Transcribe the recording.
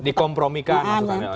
dikompromikan maksud anda